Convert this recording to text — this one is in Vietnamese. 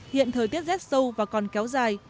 hiện thời tiết rét sâu và còn kéo dài